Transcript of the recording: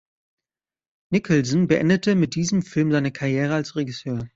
Nicholson beendete mit diesem Film seine Karriere als Regisseur.